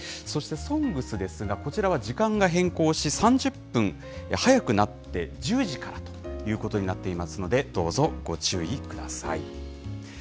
そしてＳＯＮＧＳですが、こちらは時間が変更し、３０分早くなって１０時からということになっていますので、どうぞご注意ください。